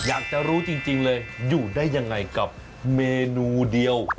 อยากจะรู้จริงเลยอยู่ได้ยังไงกับเมนูเดียว